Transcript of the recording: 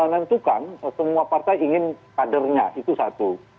nah itu akan menentukan semua partai ingin kadernya itu satu